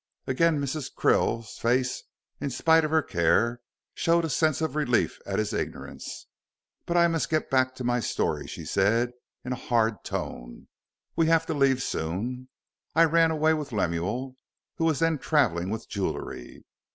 Again Mrs. Krill's face in spite of her care showed a sense of relief at his ignorance. "But I must get back to my story," she said, in a hard tone, "we have to leave soon. I ran away with Lemuel who was then travelling with jewellery.